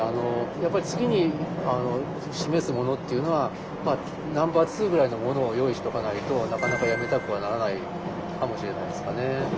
やっぱり次に示すものっていうのはナンバー２ぐらいのものを用意しておかないとなかなかやめたくはならないかもしれないですかね。